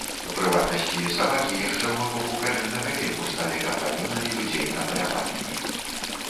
У прыватнасці, сабакі яшчэ ў эпоху каменнага веку сталі кампаньёнамі людзей на паляванні.